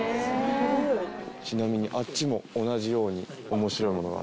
ちなみにあっちも同じように面白いものが。